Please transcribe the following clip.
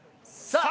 さあ！